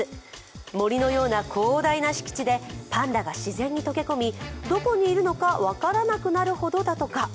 森のような広大な敷地でパンダが自然に溶け込みどこにいるのか分からなくなるほどだとか。